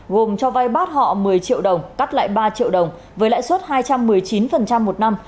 gồm cho vay bát họ một mươi triệu đồng cắt lại ba triệu đồng với lãi suất hai trăm một mươi chín một năm